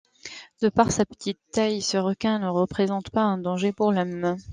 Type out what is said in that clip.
De par sa petite taille, ce requin ne représente pas un danger pour l'Homme.